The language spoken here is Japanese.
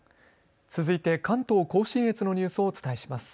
続いて関東甲信越のニュースをお伝えします。